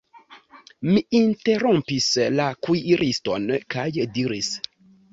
Mi interrompis la kuiriston kaj diris: